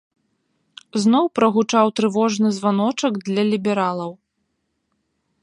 Зноў прагучаў трывожны званочак для лібералаў.